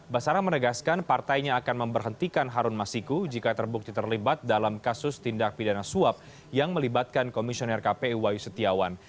basara menegaskan partainya akan memberhentikan harun masiku jika terbukti terlibat dalam kasus tindak pidana suap yang melibatkan komisioner kpi wayu setiawan